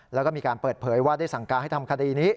แล้วก็มีการเปิดเผยว่าได้สั่งการให้ทำคดีนี้